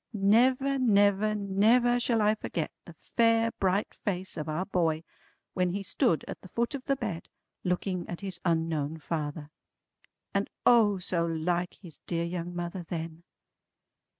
Never never never shall I forget the fair bright face of our boy when he stood at the foot of the bed, looking at his unknown father. And O so like his dear young mother then!